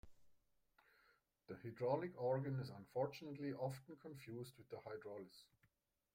The hydraulic organ is unfortunately often confused with the hydraulis.